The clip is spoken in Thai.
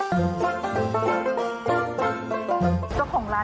โปรดติดตามตรงตาม